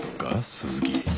鈴木